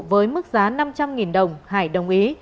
với mức giá năm trăm linh đồng hải đồng ý